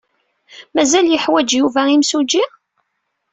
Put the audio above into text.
Mazal yeḥwaj Yuba imsujji?